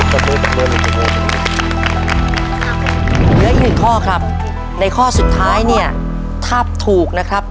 เหลืออีกหนึ่งข้อครับในข้อสุดท้ายเนี่ยถ้าถูกนะครับ